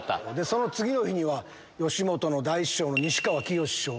その次の日には吉本の大師匠の西川きよし師匠。